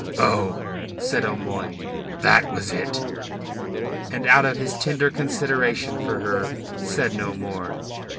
"Oh!" said O'Moy, "that was it?" And out of his tender consideration for her said no more.